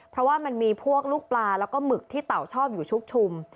เพราะว่ามันมีพวกลูกปลาแล้วก็หมึกที่เต่าชอบอยู่ชุกชุม